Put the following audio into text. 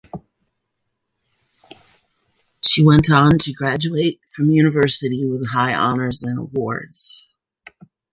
She went on to graduate from university with high honors and awards.